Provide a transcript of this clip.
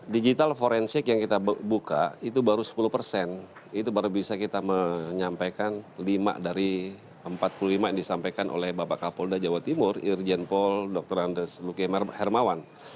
digital forensik yang kita buka itu baru sepuluh persen itu baru bisa kita menyampaikan lima dari empat puluh lima yang disampaikan oleh bapak kapolda jawa timur irjen pol dr andes luki hermawan